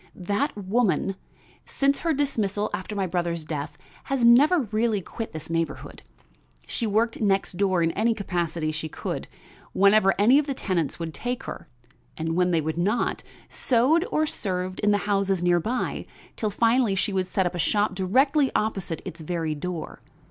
That woman, since her dismissal after my brother's death, has never really quit this neighborhood. She worked next door in any capacity she could, whenever any of the tenants would take her; and when they would not, sewed or served in the houses near by till finally she set up a shop directly opposite its very door.